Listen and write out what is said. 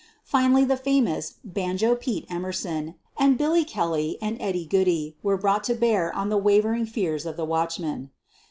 Finally, the famous 1 'Banjo Pete" Emerson and Billy Kelly and Eddie Goodey were brought to bear on the wavering fears of the watchman.